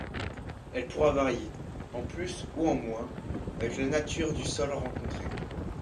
Elle pourra varier, en plus où en moins, avec la nature du sol rencontré.